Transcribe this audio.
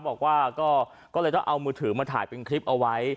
บอกว่าก็เลยต้องเอามือถือมาถ่ายเป็นคลิปเอาไว้